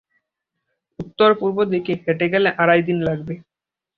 উত্তর-পূর্ব দিকে, হেঁটে গেলে আড়াই দিন লাগবে।